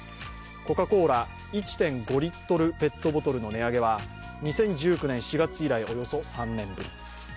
コカ・コーラ１．５リットルペットボトルの値上げは２０１９年４月以来およそ３年ぶり。